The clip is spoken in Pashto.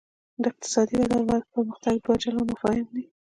اقتصادي وده او پرمختګ دوه جلا مفاهیم دي.